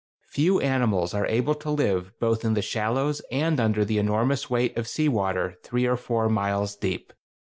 Few animals are able to live both in the shallows and under the enormous weight of sea water three or four miles deep.